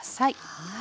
はい。